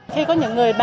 khi có những người bà